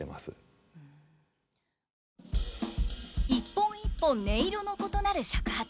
一本一本音色の異なる尺八。